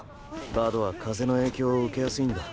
バドは風の影響を受けやすいんだ。